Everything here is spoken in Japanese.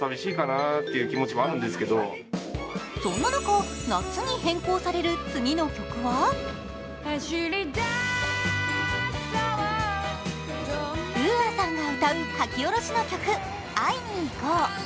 そんな中、夏に変更される次の曲はＵＡさんが歌う書き下ろしの曲「会いにいこう」。